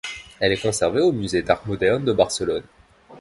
Elle est conservée au musée d'art moderne de Barcelone.